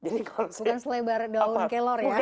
bukan selebar daun kelor ya